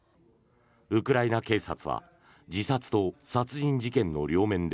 ウクライナ警察は自殺と殺人事件の両面で